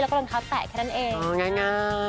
แล้วก็รองเท้าแตะแค่นั้นเองง่าย